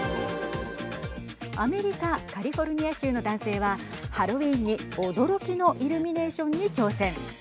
アメリカカリフォルニア州の男性はハロウィーンに驚きのイルミネーションに挑戦。